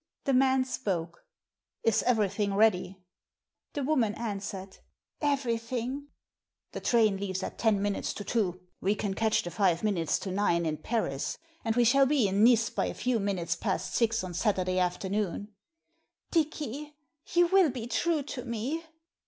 The man spoke. " Is everything ready ?" The woman answered, " Everything." "The train leaves at ten minutes to two. We can catch the five minutes to nine in Paris, and we shall be in Nice by a few minutes past six on Saturday afternoon." " Dicky, you will be true to me?